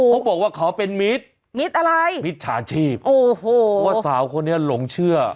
เขาบอกว่าเขาเป็นมิตรมิตรอะไรมิจฉาชีพโอ้โหว่าสาวคนนี้หลงเชื่อ